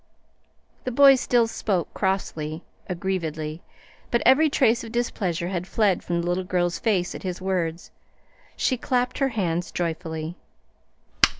The boy still spoke crossly, aggrievedly, but every trace of displeasure had fled from the little girl's face at his words. She clapped her hands joyfully.